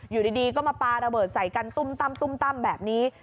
อยู่ดีก็มาปลาระเบิดใส่กันตุ้มตั้มแบบนี้